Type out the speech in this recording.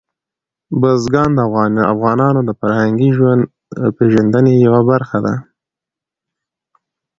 بزګان د افغانانو د فرهنګي پیژندنې یوه برخه ده.